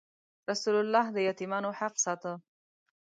رسول الله د یتیمانو حق ساته.